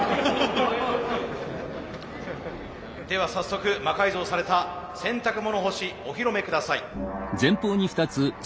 では早速魔改造された洗濯物干しお披露目ください。